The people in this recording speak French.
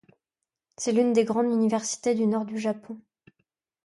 C’est l’une des grandes universités du nord du Japon.